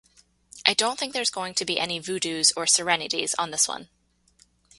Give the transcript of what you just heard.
I don't think there's going to be any 'Voodoo's or 'Serenity's on this one.